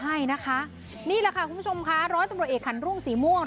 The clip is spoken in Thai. ใช่นะคะนี่แหละค่ะคุณผู้ชมค่ะร้อยตำรวจเอกขันรุ่งสีม่วง